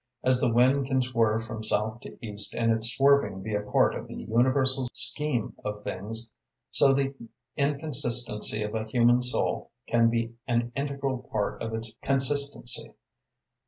As the wind can swerve from south to east, and its swerving be a part of the universal scheme of things, so the inconsistency of a human soul can be an integral part of its consistency.